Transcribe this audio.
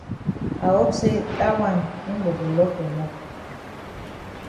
I hope say dat wan mimbo go lock ya mop.